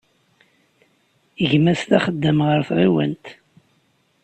Gma-s d axeddam ɣer tɣiwant.